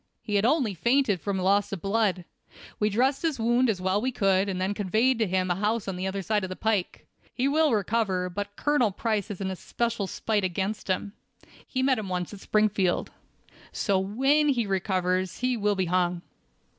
He had only fainted from loss of blood. We dressed his wound as well as we could, and then conveyed him to a house the other side of the pike. He will recover; but Colonel Price has an especial spite against him. He met him once at Springfield. So, when he recovers he will be hung."